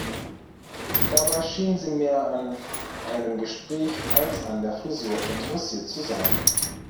Dabei schien sie mehr an einem Gespräch als an der Frisur interessiert zu sein.